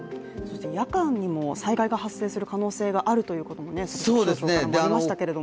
夜間にも災害が発生する可能性があるということが気象庁からありましたけど。